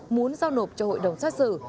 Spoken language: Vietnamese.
muốn giao nộp cho hội đồng xét xử